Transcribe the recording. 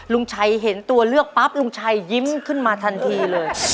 ลุงชัยเห็นตัวเลือกปั๊บลุงชัยยิ้มขึ้นมาทันทีเลย